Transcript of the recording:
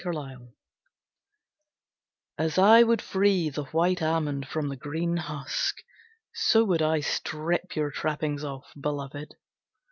Aubade As I would free the white almond from the green husk So would I strip your trappings off, Beloved.